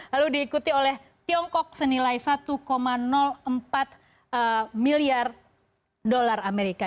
lalu diikuti oleh tiongkok senilai satu empat miliar dolar amerika